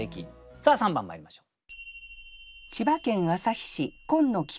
さあ３番まいりましょう。